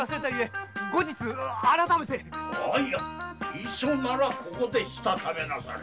遺書ならここでしたためなされ。